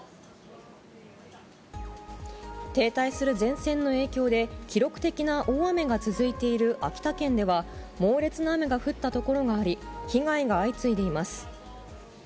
停滞する前線の影響で、記録的な大雨が続いている秋田県では、猛烈な雨が降った所があり、被害が相次いでいます。